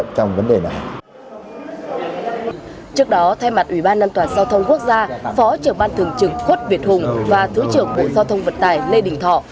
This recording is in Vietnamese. phó trưởng ban thường trực khuất việt hùng và thứ trưởng bộ giao thông vật tài lê đình thọ